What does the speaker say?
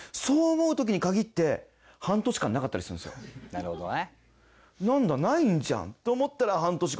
「なるほどね」